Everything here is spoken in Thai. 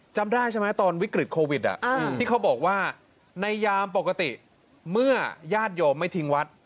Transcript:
จำได้ใช่ไหมตอนวิกฤตโควิดที่เขาบอกว่าในยามปกติเมื่อญาติโยมไม่ทิ้งวัด